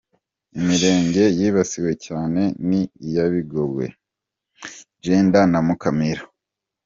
Imirenge yibasiwe cyane ni iya Bigogwe, Jenda na Mukamira.